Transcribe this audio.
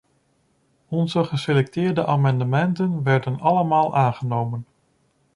Onze geselecteerde amendementen werden allemaal aangenomen.